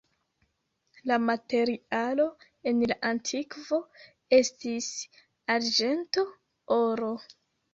La materialo en la antikvo estis arĝento, oro.